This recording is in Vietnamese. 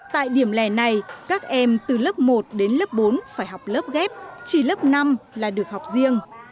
tại điểm lẻ này các em từ lớp một đến lớp bốn phải học lớp ghép chỉ lớp năm là được học riêng